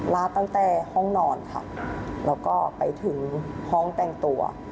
ลาดตั้งแต่ห้องนอนค่ะแล้วก็ไปถึงห้องแต่งตัว